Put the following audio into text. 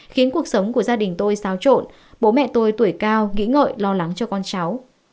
khiến cuộc sống của gia đình tôi xáo trộn bố mẹ tôi tuổi cao nghĩ ngợi lo lắng cho con cháu